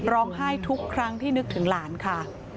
ร้องไห้ทุกครั้งที่นึกถึงหลานค่ะ